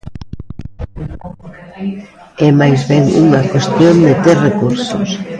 É máis ben unha cuestión de ter recursos?